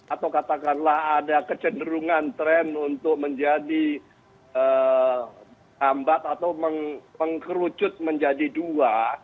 atau katakanlah ada kecenderungan tren untuk menjadi hambat atau mengkerucut menjadi dua